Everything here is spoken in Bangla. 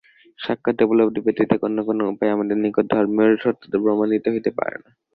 সাক্ষাৎ উপলব্ধি ব্যতীত অন্য কোন উপায়ে আমাদের নিকট ধর্মের সত্যতা প্রমাণিত হইতে পারে না।